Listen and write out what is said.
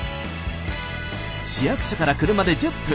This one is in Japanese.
市役所から車で１０分。